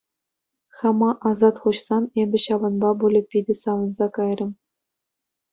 Хама асат хуҫсан эпӗ ҫавӑнпа пулӗ питӗ савӑнса кайрӑм.